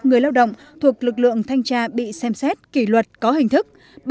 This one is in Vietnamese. người lao động thuộc lực lượng thanh tra bị xem xét kỷ luật có hình thức